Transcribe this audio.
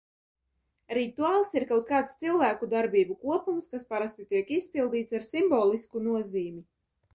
Rituāls ir kaut kāds cilvēku darbību kopums, kas parasti tiek izpildīts ar simbolisku nozīmi.